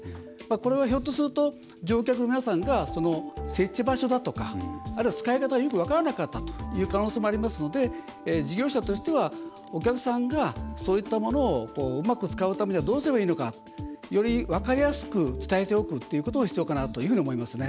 これはひょっとすると乗客の皆さんが設置場所だとかあるいは使い方がよく分からなかったという可能性もありますので事業者としては、お客さんがそういったものをうまく使うためにはどうすればいいのかより分かりやすく伝えておくということが必要かなと思いますね。